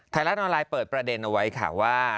ไทยรัฐออนไลน์เปิดประเด็นเอาไว้ค่ะว่า